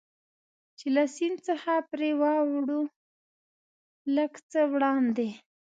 چې له سیند څخه پرې واوړو، لږ څه وړاندې.